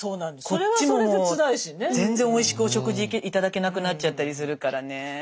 こっちも全然おいしくお食事頂けなくなっちゃったりするからね。